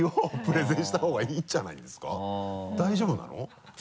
大丈夫なの？